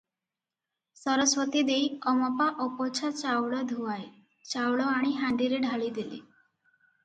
ସରସ୍ୱତୀ ଦେଈ ଅମପା ଅପୋଛା ଚାଉଳଧୂଆଏ ଚାଉଳ ଆଣି ହାଣ୍ଡିରେ ଢାଳିଦେଲେ ।